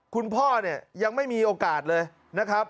คุณพ่อเนี่ยยังไม่มีโอกาสเลยนะครับ